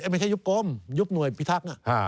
ไม่ใช่ยุบกรมยุบหน่วยพิทักษ์